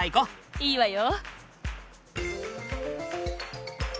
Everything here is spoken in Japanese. いいわよ。